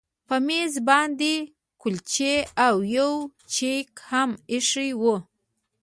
په میز باندې کلچې او یو چاینک هم ایښي وو